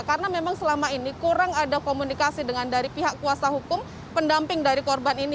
karena memang selama ini kurang ada komunikasi dengan dari pihak kuasa hukum pendamping dari korban ini